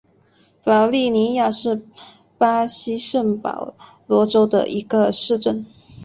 保利尼亚是巴西圣保罗州的一个市镇。